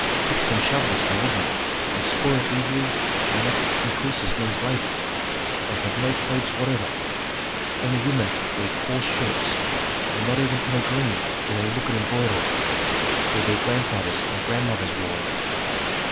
Picks and shovels are wooden, they spoil easily and that increases men's labor. They have no clothes whatever; only women wear coarse shirts, and not even in a dream do they look at embroidery, though their grandfathers and grandmothers wore it.